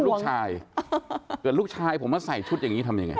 ลูกชายเกิดลูกชายผมมาใส่ชุดอย่างนี้ทำยังไง